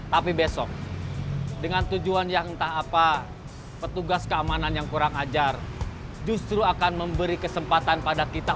tapi besok dengan tujuan yang entah apa petugas keamanan yang kurang ajar justru akan memberi kesempatan pada kita